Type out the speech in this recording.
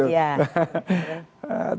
udah sempat iya